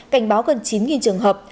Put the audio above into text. cảnh báo gần chín trường hợp